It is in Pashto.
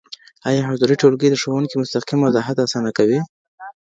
ايا حضوري ټولګي د ښوونکي مستقيم وضاحت اسانه کوي؟